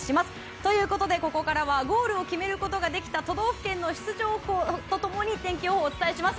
ということでここからはゴールを決めることができた都道府県の出場校と共にお天気をお伝えします。